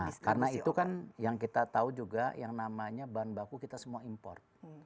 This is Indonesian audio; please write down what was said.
nah karena itu kan yang kita tahu juga yang namanya bahan baku kita semua import